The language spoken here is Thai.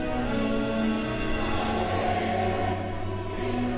อาเมนอาเมน